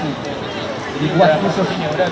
jadi buat bu susi